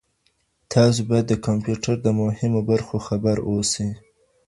تاسو باید د کمپیوټر د مهمو برخو خبر اوسئ.